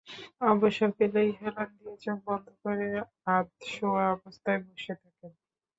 অবসর পেলেই হেলান দিয়ে চোখ বন্ধ করে আধশোয়া অবস্থায় বসে থাকেন।